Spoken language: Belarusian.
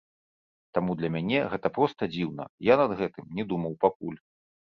Таму для мяне гэта проста дзіўна, я над гэтым не думаў пакуль.